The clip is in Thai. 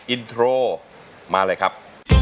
อินโทรมาเลยครับ